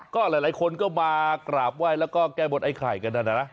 ก็หลายคนก็มากราบไหว้แล้วก็แก้บนไอ้ไข่กันนะนะ